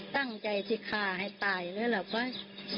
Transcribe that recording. ตั้งใจที่ขาให้ตายเลยหรือเปล่า